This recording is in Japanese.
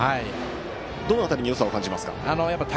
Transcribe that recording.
どの辺りによさを感じますか？